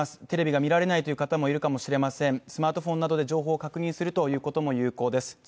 テレビが見られないという方もいるかもしれません、スマートフォンなどで情報を確認するということも有効です。